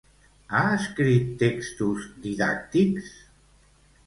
Ha escrit textos didàctics?